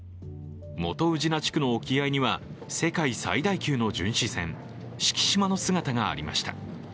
元宇品地区の沖合には世界最大級の巡視船、「しきしま」の姿がありました。